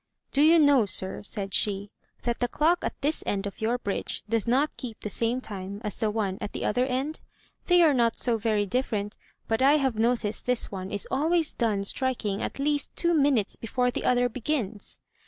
"Do you know, sir," said she, "that the clock at this end of your bridge does not keep the same time as the one at the other end? They are not so very differ ent, but I have noticed this one is always done striking at least two minutes before the other begins."